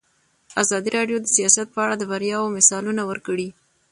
ازادي راډیو د سیاست په اړه د بریاوو مثالونه ورکړي.